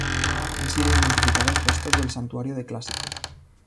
Han sido identificados restos del santuario de clásico.